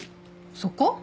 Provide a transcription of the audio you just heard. そこ？